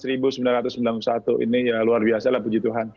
ini ya luar biasa lah puji tuhan